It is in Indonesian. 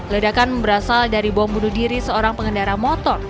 ledakan berasal dari bom bunuh diri seorang pengendara motor